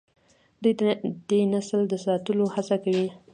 دوی د دې نسل د ساتلو هڅه کوي.